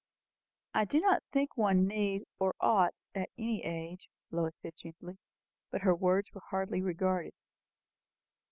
"I do not think one need or ought at any age," Lois said gently; but her words were hardly regarded.